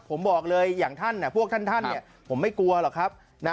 ผมบอกเลยอย่างท่านพวกท่านเนี่ยผมไม่กลัวหรอกครับนะ